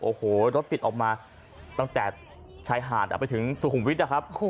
โอ้โหรถติดออกมาตั้งแต่ชายหาดไปถึงสุขุมวิทย์นะครับ